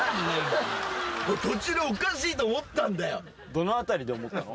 どの辺りで思ったの？